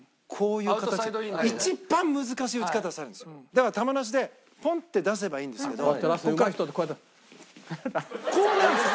だから球出しでポンッて出せばいいんですけどここからこうなるんですよ。